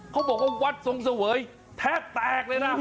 เขาบอกว่าวัดทรงเสวยแทบแตกเลยนะ